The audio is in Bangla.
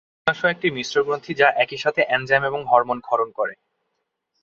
অগ্ন্যাশয় একটি মিশ্র গ্রন্থি যা একই সাথে এনজাইম এবং হরমোন ক্ষরণ করে।